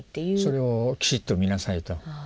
それをきちっと見なさいと。